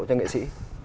cho nghệ sĩ